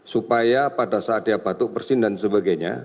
supaya pada saat dia batuk bersin dan sebagainya